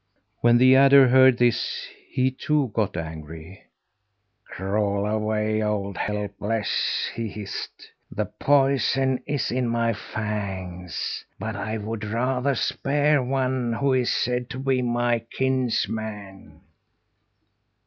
When the adder heard this, he, too, got angry. "Crawl away, old Helpless!" he hissed. "The poison is in my fangs, but I would rather spare one who is said to be my kinsman."